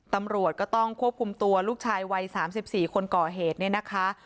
ตำรวจก็ต้องควบคุมตัวลูกชายวัย๓๔คนก่อเหตุเนี่ยนะคะ